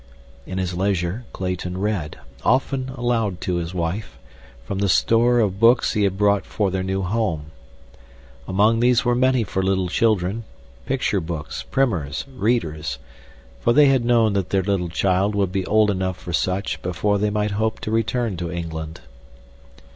In his leisure Clayton read, often aloud to his wife, from the store of books he had brought for their new home. Among these were many for little children—picture books, primers, readers—for they had known that their little child would be old enough for such before they might hope to return to England.